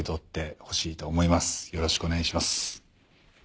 よろしくお願いします。